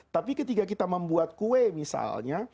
tapi ketika kita membuat kue misalnya